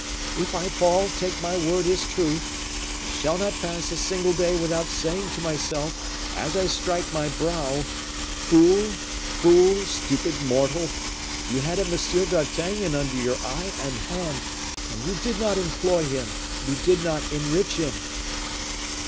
if I fall, take my word as truth, I shall not pass a single day without saying to myself, as I strike my brow, 'Fool! fool! stupid mortal! You had a Monsieur d'Artagnan under your eye and hand, and you did not employ him, you did not enrich him!